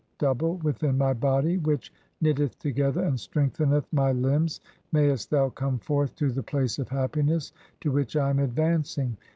double) "within my body [which] knitteth together and strengthened "my limbs. Mayest thou come forth to the place of happiness "to which I am advancing.